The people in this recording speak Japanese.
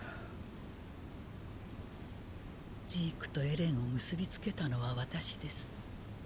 ジークとエレンを結びつけたのは私です。